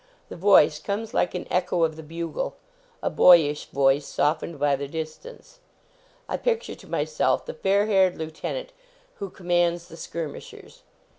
The voice comes like an echo of the bugle a boyish voice, softened by the distance. I picture to myself the fair haired lieutenant who commands the skirmishers.